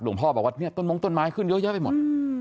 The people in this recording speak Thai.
พ่อบอกว่าเนี่ยต้นมงต้นไม้ขึ้นเยอะแยะไปหมด